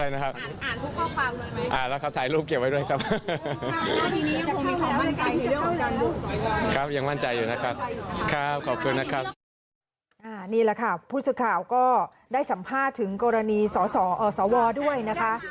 นี่แหละค่ะผู้สื่อข่าวก็ได้สัมภาษณ์ถึงกรณีสวด้วยนะคะ